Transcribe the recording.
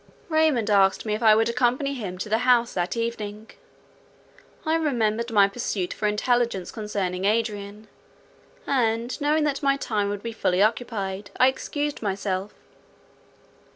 Raymond asked me if I would accompany him to the House that evening. I remembered my pursuit for intelligence concerning Adrian; and, knowing that my time would be fully occupied, I excused myself.